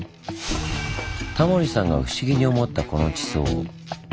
タモリさんが不思議に思ったこの地層。